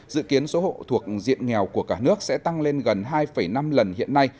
hai nghìn hai mươi một hai nghìn hai mươi năm dự kiến số hộ thuộc diện nghèo của cả nước sẽ tăng lên gần hai năm lần hiện nay